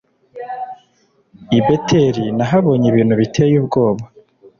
I Beteli nahabonye ibintu biteye ubwoba: